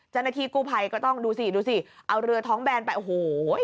เจ้าหน้าที่กู้ภัยก็ต้องดูสิดูสิเอาเรือท้องแบนไปโอ้โห